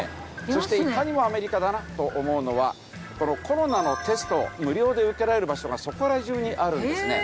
そしていかにもアメリカだなと思うのはこのコロナのテスト無料で受けられる場所がそこら中にあるんですね。